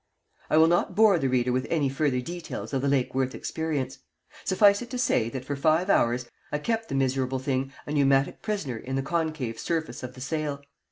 I will not bore the reader with any further details of the Lake Worth experience. Suffice it to say that for five hours I kept the miserable thing a pneumatic prisoner in the concave surface of the sail.